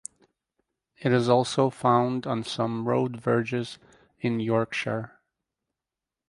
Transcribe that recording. It is also found on some road verges in Yorkshire.